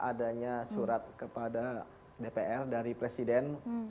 adanya surat kepada dpr dari presiden